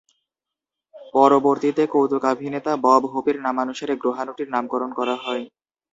পরবর্তীতে কৌতুকাভিনেতা বব হোপের নামানুসারে গ্রহাণুটির নামকরণ করা হয়।